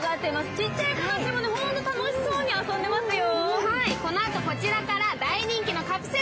ちっちゃい子たちもホント楽しそうに遊んでますよ。